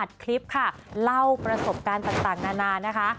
คลิปค่ะเล่าประสบการณ์ต่างนานานะคะ